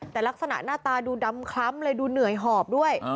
แต่ลักษณะหน้าตาดูดำคล้ำเลยดูเหนื่อยหอบด้วย